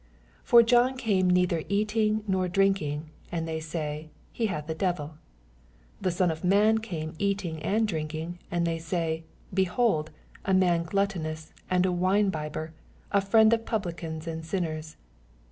18 For John came neither eating nor drinking, and they say, He hath a devil. 19 The Son of man came eating and drinking, and they say. Behold, a nian glattonoas, and a wineDiDber,a friend of Publicans and sinners.